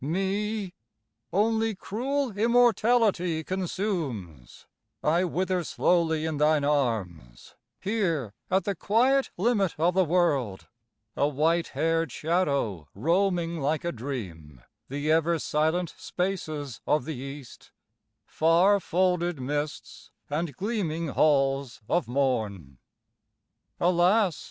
Me only cruel immortality Consumes: I wither slowly in thine arms, Here at the quiet limit of the world, A white hair'd shadow roaming like a dream The ever silent spaces of the East, Far folded mists, and gleaming halls of morn. Alas!